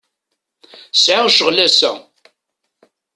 Sɛiɣ ccɣel ass-a.